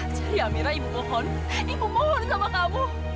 jadi amira ibu mohon ibu mohon sama kamu